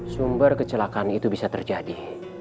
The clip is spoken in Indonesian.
sumber kecelakaan itu bisa terjadi